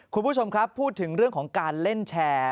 คุณผู้ชมครับพูดถึงเรื่องของการเล่นแชร์